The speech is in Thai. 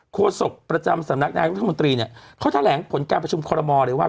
โศกประจำสำนักนายรัฐมนตรีเนี่ยเขาแถลงผลการประชุมคอรมอลเลยว่า